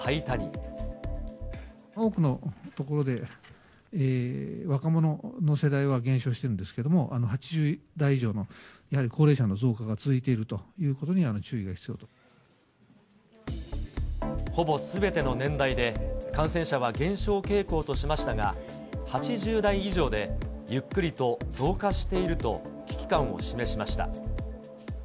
多くのところで、若者の世代は減少しているんですけれども、８０代以上のやはり高齢者の増加が続いているということには注意ほぼすべての年代で、感染者は減少傾向としましたが、８０代以上でゆっくりと増加していると危機感を示しました。